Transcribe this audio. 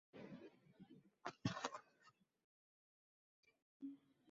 এই সময়ে করার কারণ?